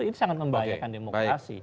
ini sangat membahayakan demokrasi